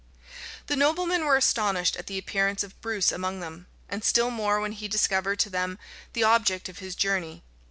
The noblemen were astonished at the appearance of Bruce among them; and still more when he discovered to them the object of his journey.